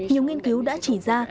nhiều nghiên cứu đã chỉ ra